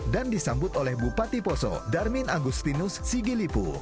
dan disambut oleh bupati poso darmin agustinus sigilipu